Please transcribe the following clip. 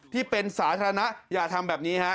ที่เป็นสาธารณะอย่าทำแบบนี้ฮะ